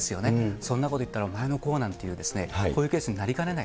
そんなこと言ったらという、こういうケースになりかねない。